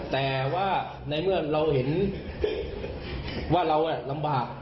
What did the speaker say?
แต่ว่าในเมื่อเราเห็นว่าเราลำบาก